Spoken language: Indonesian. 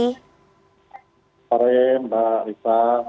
selamat sore mbak risa